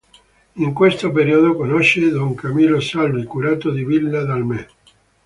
In questo periodo conosce don Camillo Salvi curato di Villa d’Almè.